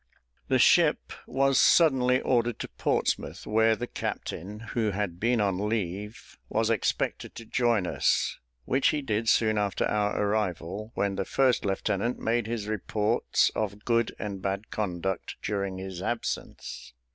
The ship was suddenly ordered to Portsmouth, where the captain, who had been on leave, was expected to join us, which he did soon after our arrival, when the first lieutenant made his reports of good and bad conduct during his absence.